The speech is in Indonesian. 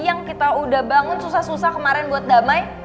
yang kita udah bangun susah susah kemarin buat damai